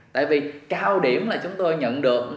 tại vì cao điểm là chúng tôi nhận được